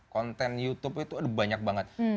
konten youtube itu ada banyak banget